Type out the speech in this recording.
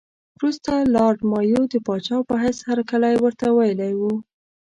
وروسته لارډ مایو د پاچا په حیث هرکلی ورته ویلی وو.